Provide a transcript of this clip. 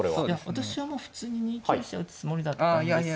私はもう普通に２九飛車打つつもりだったんですけど。